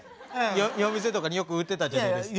夜店とかによく売ってたじゃないですか。